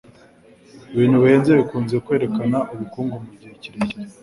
Ibintu bihenze bikunze kwerekana ubukungu mugihe kirekire.